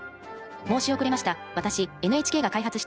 申し遅れました。